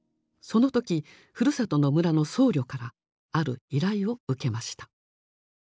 その時ふるさとの村の僧侶からある依頼を受けました。